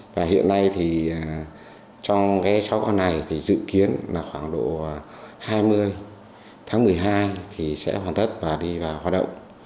và hiện nay thì trong cái sáu con này thì dự kiến là khoảng độ hai mươi tháng một mươi hai thì sẽ hoàn tất và đi vào hoạt động